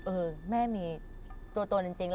เออแม่มีตัวตนจริง